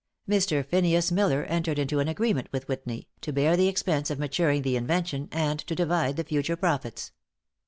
Mr. Phineas Miller entered into an agreement with Whitney, to bear the expense of maturing the invention, and to divide the future profits.